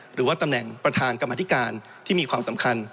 หรือว่าตำแหน่งประธานกรรมธิการที่มีความสำคัญ